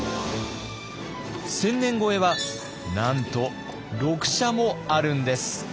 千年超えはなんと６社もあるんです。